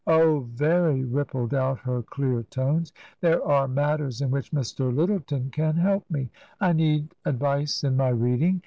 " Oh, very !" rippled out her clear tones ;" there are matters in which Mr. Lyttleton can help me. I need advice in my reading.